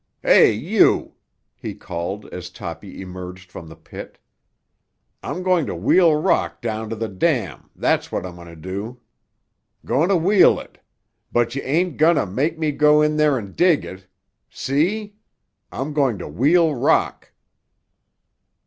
"Hey, you!" he called as Toppy emerged from the pit. "I'm going to wheel rock down to the dam, that's what I'm going tuh do. Going to wheel it; but yuh ain't goin' tuh make me go in there and dig it. See? I'm going to wheel rock."